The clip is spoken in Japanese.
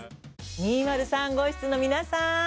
２０３号室の皆さん！